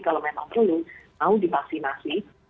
kalau memang perlu mau di pastikan